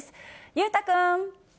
裕太君。